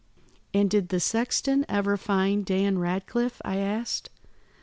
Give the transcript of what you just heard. "And did the sexton ever find Dan Ratcliffe," I asked.